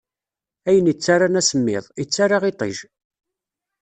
Ayen ittaran asemmiḍ, ittara iṭij.